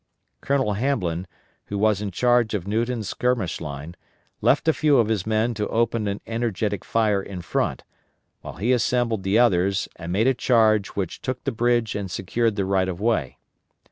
Colonel Hamblin, who was in charge of Newton's skirmish line, left a few of his men to open an energetic fire in front, while he assembled the others and made a charge which took the bridge and secured the right of way.